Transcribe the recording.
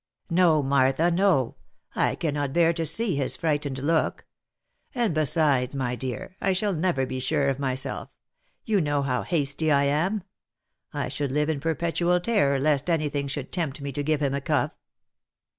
" No, Martha, no ; I cannot bear to see his frightened look. And besides, my dear, I shall never be sure of myself — you know how hasty I am !— I should live in perpetual terror lest any thing should tempt me to give him a cuff.